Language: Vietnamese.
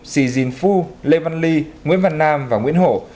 sì dinh phu lê văn ly nguyễn văn nam và nguyễn hổ